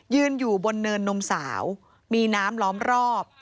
ยืนอยู่บนเนินนมสาวมีน้ำล้อมรอบ